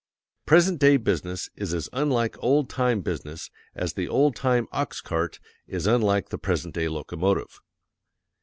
_ Present day business is as unlike OLD TIME BUSINESS as the OLD TIME OX CART is unlike the _present day locomotive.